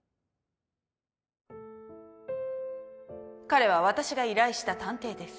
彼は私が依頼した探偵です